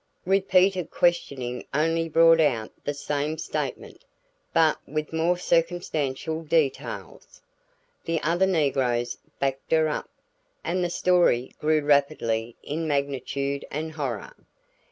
Repeated questioning only brought out the same statement but with more circumstantial details. The other negroes backed her up, and the story grew rapidly in magnitude and horror.